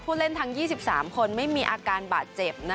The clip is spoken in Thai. เล่นทั้ง๒๓คนไม่มีอาการบาดเจ็บ